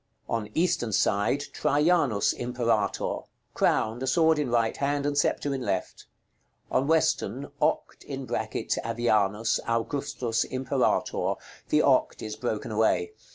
On eastern side, "TRAJANUS IMPERATOR." Crowned, a sword in right hand, and sceptre in left. On western, "(OCT)AVIANUS AUGUSTUS IMPERATOR." The "OCT" is broken away.